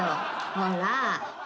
ほら！